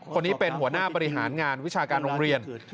คนนี้เป็นหัวหน้าบริหารงานวิชาการโรงเรียน